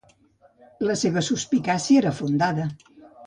La seva suspicàcia era fundada.